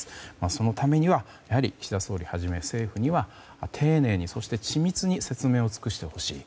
そのためにはやはり、岸田総理をはじめ政府には丁寧にそして緻密に説明を尽くしてほしい。